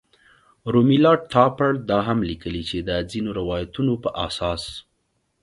رومیلا تاپړ دا هم لیکلي چې د ځینو روایتونو په اساس.